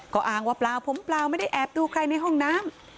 ก็อ้างว่าเปล่าผมเปล่าไม่ได้แอบดูใครในห้องน้ำ